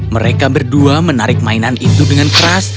mereka berdua menarik mainan itu dengan keras